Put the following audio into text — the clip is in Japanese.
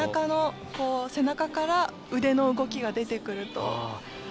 背中から腕の動きが出てくると。